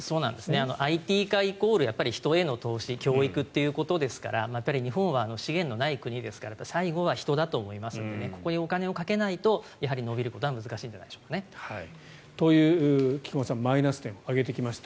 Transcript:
ＩＴ化イコール人への投資教育ということですから日本は資源のない国ですから最後は人だと思うのでここにお金をかけないと伸びることは難しいんじゃないでしょうかね。という、菊間さんマイナス点を挙げてきました